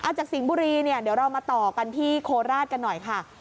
จากสิงห์บุรีเนี่ยเดี๋ยวเรามาต่อกันที่โคราชกันหน่อยค่ะ